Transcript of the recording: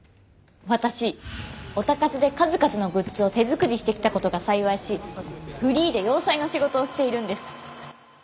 私オタ活で数々のグッズを手作りしてきた事が幸いしフリーで洋裁の仕事をしているんです。